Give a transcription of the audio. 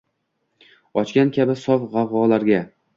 Ochgan kabi sof gʻavolarga